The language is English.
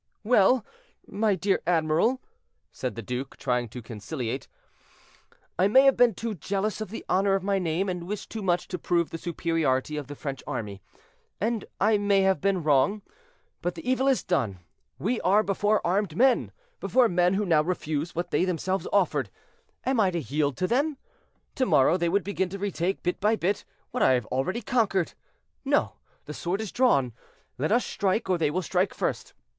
"Well, my dear admiral," said the duke, trying to conciliate, "I may have been too jealous of the honor of my name, and wished too much to prove the superiority of the French army, and I may have been wrong. But the evil is done; we are before armed men—before men who now refuse what they themselves offered. Am I to yield to them? To morrow they would begin to retake, bit by bit, what I have already conquered. No! the sword is drawn; let us strike, or they will strike first.